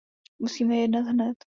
Musíme jednat hned.